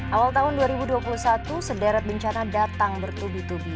awal tahun dua ribu dua puluh satu sederet bencana datang bertubi tubi